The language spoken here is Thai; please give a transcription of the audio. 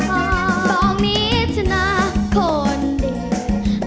บอกมิถนะคนเดียว